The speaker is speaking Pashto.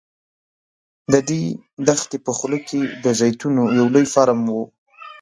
د دې دښتې په خوله کې د زیتونو یو لوی فارم و.